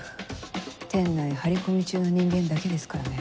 店内張り込み中の人間だけですからね。